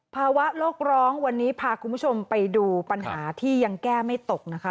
ภาวะโลกร้องวันนี้พาคุณผู้ชมไปดูปัญหาที่ยังแก้ไม่ตกนะคะ